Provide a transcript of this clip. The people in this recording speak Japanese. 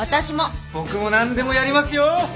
僕も何でもやりますよ。